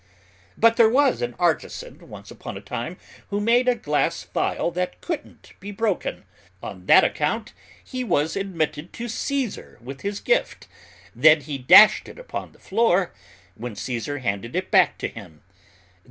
"But there was an artisan, once upon a time, who made a glass vial that couldn't be broken. On that account he was admitted to Caesar with his gift; then he dashed it upon the floor, when Caesar handed it back to him.